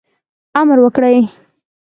امر وکړي.